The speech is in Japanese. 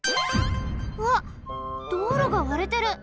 うわっ道路がわれてる！